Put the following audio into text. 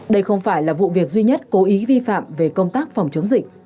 đây không phải là vụ việc duy nhất cố ý vi phạm về công tác phòng chống dịch